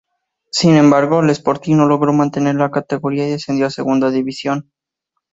Sin embargo, el Sporting no logró mantener la categoría y descendió a Segunda División.